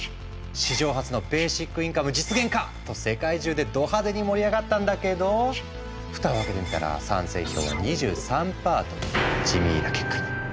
史上初のベーシックインカム実現か！と世界中でど派手に盛り上がったんだけどふたを開けてみたら賛成票は２３％という地味な結果に。